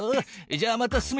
じゃあまた進め。